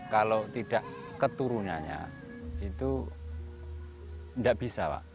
kalau tidak keturunannya itu tidak bisa pak